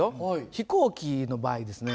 飛行機の場合ですね